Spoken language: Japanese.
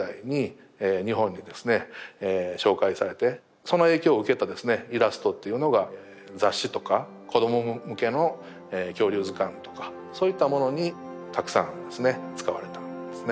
紹介されてその影響を受けたイラストというのが雑誌とか子ども向けの恐竜図鑑とかそういったものにたくさんですね使われたんですね。